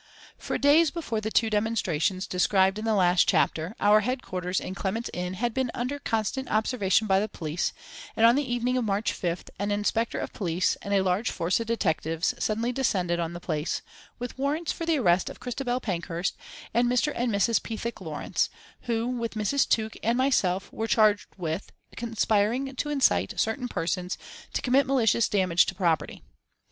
For days before the two demonstrations described in the last chapter our headquarters in Clement's Inn had been under constant observation by the police, and on the evening of March 5th an inspector of police and a large force of detectives suddenly descended on the place, with warrants for the arrest of Christabel Pankhurst and Mr. and Mrs. Pethick Lawrence, who with Mrs. Tuke and myself were charged with "conspiring to incite certain persons to commit malicious damage to property."